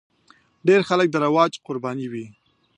ډېر خلک د رواج قرباني وي.